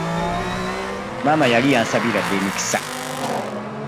Maama yali yansabira dda emikisa.